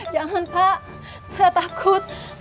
jangan pak saya takut